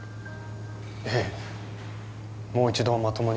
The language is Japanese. ええもう一度まともに